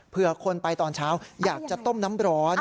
เพื่อคนไปตอนเช้าอยากจะต้มน้ำร้อน